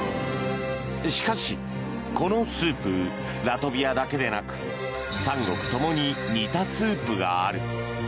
しかし、このスープラトビアだけでなく三国ともに似たスープがある。